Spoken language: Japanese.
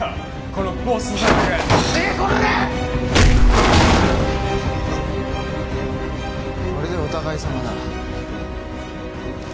これでお互いさまだ。